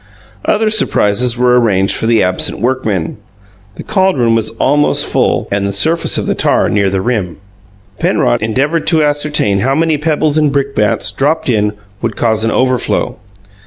Other surprises were arranged for the absent workmen. The caldron was almost full, and the surface of the tar near the rim. Penrod endeavoured to ascertain how many pebbles and brickbats, dropped in, would cause an overflow.